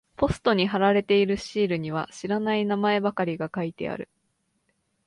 ポストに貼られているシールには知らない名前ばかりが書いてある。